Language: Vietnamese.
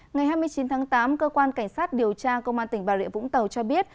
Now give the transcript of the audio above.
ngày hai mươi chín tháng tám cơ quan cảnh sát điều tra công an tỉnh bà rịa vũng tàu cho biết